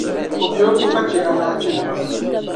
O be o ko ka chɛ alahichinima.